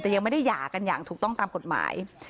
แต่ยังไม่ได้หย่ากันอย่างถูกต้องตามกฎหมาย